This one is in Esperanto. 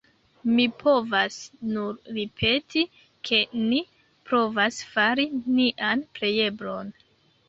Mi povas nur ripeti, ke ni provas fari nian plejeblon.